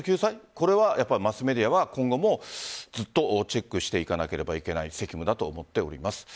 これは、マスメディアは今後もずっとチェックしていかなければいけない責務だと思っております。